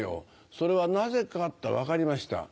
それはなぜかって分かりました。